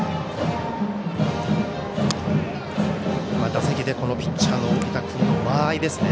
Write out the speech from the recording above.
打席でピッチャーの小北君の間合いですね